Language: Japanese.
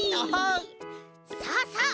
さあさあ